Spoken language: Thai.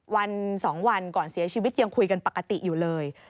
วัน๒วันก่อนเสียชีวิตยังคุยกันปกติอยู่เลย